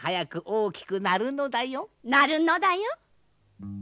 なるのだよ。